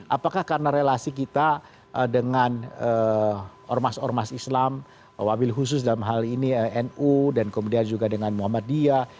apakah karena relasi kita dengan ormas ormas islam wabil khusus dalam hal ini nu dan kemudian juga dengan muhammadiyah